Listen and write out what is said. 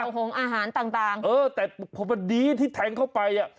ต่อของอาหารต่างต่างเออแต่ประดิษฐ์ที่แทงเข้าไปอ่ะ